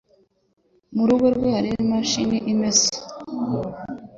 Mu rugo rwe hari imashini imesa?